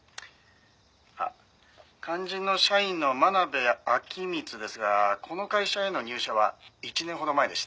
「あっ肝心の社員の真鍋明光ですがこの会社への入社は１年ほど前でした」